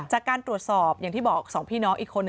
จากการตรวจสอบอย่างที่บอก๒พี่น้องอีกคน